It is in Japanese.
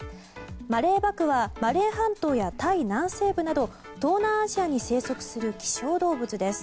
マレーバクはマレー半島やタイ南西部など東南アジアに生息する希少動物です。